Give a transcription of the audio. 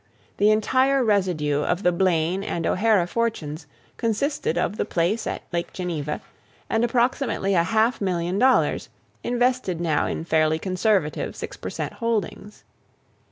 The entire residue of the Blaine and O'Hara fortunes consisted of the place at Lake Geneva and approximately a half million dollars, invested now in fairly conservative six per cent holdings.